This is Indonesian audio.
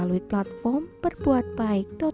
apa yang harus di katakan